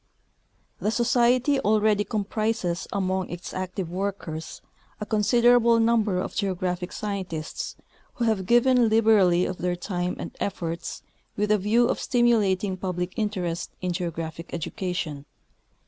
The Society already comprises among its active workers a considerable number of geographic scientists, who have given liberally of their time and efforts with a view of stimulating public interest in geographic education.